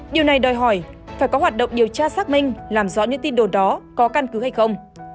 điều này đòi hỏi phải có hoạt động điều tra xác minh làm rõ những tin đồn đó có căn cứ hay không